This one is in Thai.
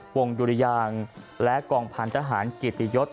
วงดุริยางและกองพันธ์ทหารกิตยศ